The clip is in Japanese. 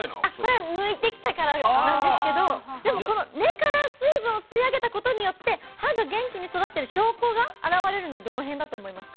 これ抜いてきたからなんですけどでもこの根から水分を吸い上げたことによって葉が元気に育ってる証拠が現れるのはどの辺だと思いますか？